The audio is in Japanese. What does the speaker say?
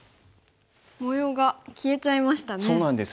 模様が消えちゃいましたね。